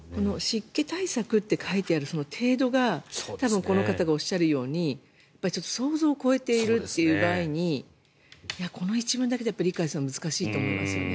湿気対策と書いてあるその程度が多分、この方がおっしゃるように想像を超えているという場合にこの一文だけで理解するのは難しいと思いますよね。